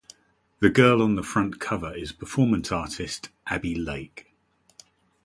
The girl on the front cover is performance artist, Abi Lake.